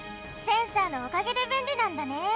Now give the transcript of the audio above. センサーのおかげでべんりなんだね！